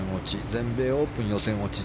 全米オープン予選落ち。